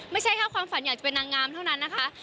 ไม่ใช่แค่ความฝันอยากจะเป็นนางงามเท่านั้นนะคะ